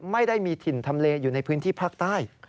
ไม่ได้มีถิ่นทำเลอยู่ในพื้นที่ภาคใต้